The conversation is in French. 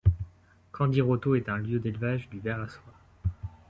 Candiroto est un lieu d'élevage du ver à soie.